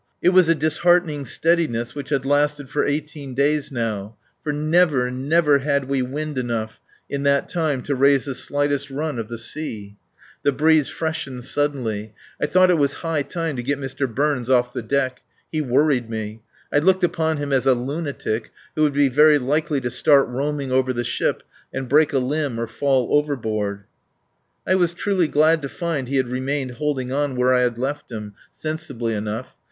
It was a disheartening steadiness which had lasted for eighteen days now; for never, never had we had wind enough in that time to raise the slightest run of the sea. The breeze freshened suddenly. I thought it was high time to get Mr. Burns off the deck. He worried me. I looked upon him as a lunatic who would be very likely to start roaming over the ship and break a limb or fall overboard. I was truly glad to find he had remained holding on where I had left him, sensibly enough.